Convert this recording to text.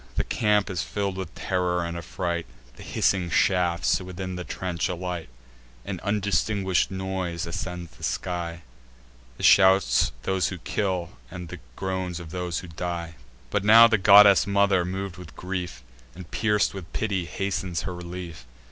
The camp is fill'd with terror and affright: The hissing shafts within the trench alight; An undistinguish'd noise ascends the sky, The shouts of those who kill, and groans of those who die. But now the goddess mother, mov'd with grief, And pierc'd with pity, hastens her relief.